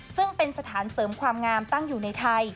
ซึ่งเป็นสถานเสริมความงามตั้งอยู่ในไทย